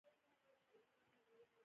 ستا سترګې زموږ په پرتله ډېرې ژورې دي.